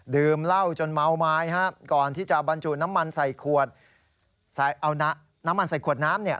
ดื่มเหล้าจนเมาไม้ก่อนที่จะบรรจุน้ำมันใส่ขวดน้ำ